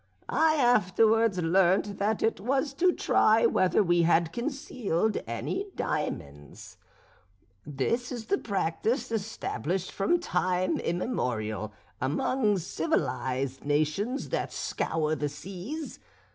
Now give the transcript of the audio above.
I afterwards learnt that it was to try whether we had concealed any diamonds. This is the practice established from time immemorial, among civilised nations that scour the seas.